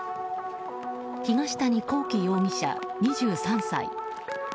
東谷昂紀容疑者、２３歳。